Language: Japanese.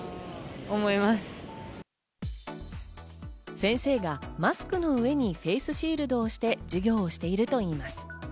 先生がマスクの上にフェースシールドをして授業をしているといいます。